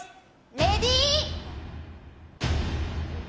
レディー。